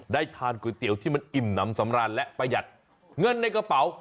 ได้ทานก๋วยเตี๋ยวที่มันอิ่มน้ำสำราญและประหยัดเงินในกระเป๋า